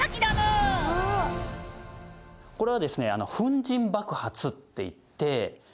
これはですね粉塵爆発っていって。